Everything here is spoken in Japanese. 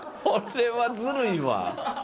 これはずるいわ。